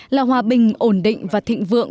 là hòa bình ổn định và thịnh vượng